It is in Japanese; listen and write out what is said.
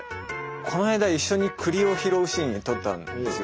この間一緒に栗を拾うシーン撮ったんですよ。